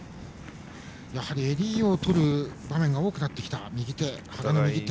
やはり襟をとる場面が多くなってきた羽賀の右手。